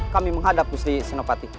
kami menghadap gusti senopati